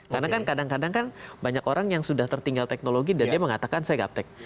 karena kan kadang kadang kan banyak orang yang sudah tertinggal teknologi dan dia mengatakan saya gak pake